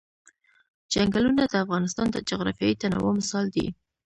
چنګلونه د افغانستان د جغرافیوي تنوع مثال دی.